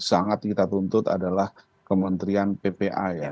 sangat kita tuntut adalah kementerian ppa ya